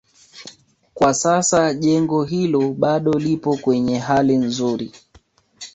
Kwa sasa jengo hilo bado lipo kwenye hali nzuri